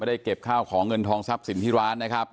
ได้เก็บข้าวของเงินทองทรัพย์สินที่ร้านนะครับ